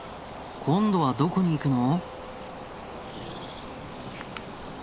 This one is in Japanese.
今度はどこに行くの？